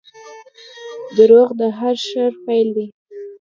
• دروغ د هر شر پیل دی.